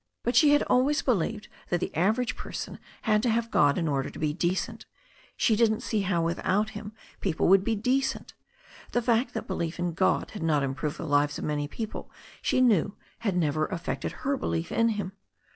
But she had al ways believed that the average person had to have God in order to be decent. She didn't see how without Him people would be decent. The fact that belief in God had not im proved the lives of many people she knew had never af fected her belief in Him.